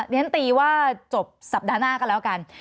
เรียนตีว่าจบสัปดาห์หน้าก็แล้วกัน